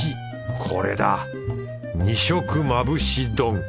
これだ二色まぶし丼！